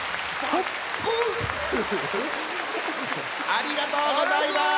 ありがとうございます！